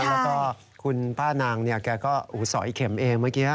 แล้วก็คุณป้านางแกก็สอยเข็มเองเมื่อกี้